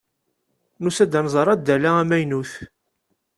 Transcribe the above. Nusa-d ad nẓer addal-a amaynut.